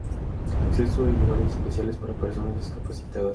Accesos y lugares especiales para personas discapacitadas.